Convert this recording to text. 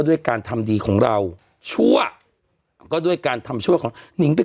ด้วยการทำดีของเราชั่วก็ด้วยการทำชั่วของนิงเป็น